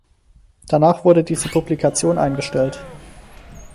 Danach wurde diese Publikation eingestellt.